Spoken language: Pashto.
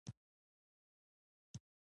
عبدالرحمن خان په شان قدرت نه وو.